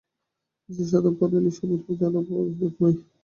স্ত্রীর সাধনপ্রণালী স্বামীর জানার প্রয়োজন নাই।